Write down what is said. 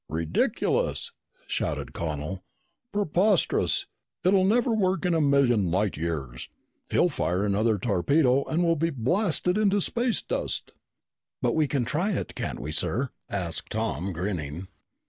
"Ridiculous!" shouted Connel. "Preposterous! It'll never work in a million light years! He'll fire another torpedo and we'll be blasted into space dust!" "But we can try it, can't we, sir?" asked Tom, grinning.